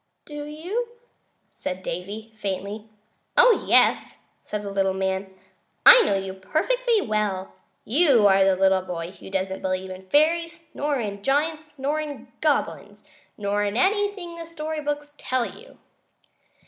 "Do you?" said Davy, faintly. "Oh, yes!" said the little man. "I know you perfectly well. You are the little boy who doesn't believe in fairies, nor in giants, nor in goblins, nor in anything the story books tell you."